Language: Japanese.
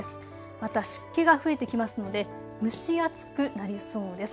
また湿気が増えてきますので蒸し暑くなりそうです。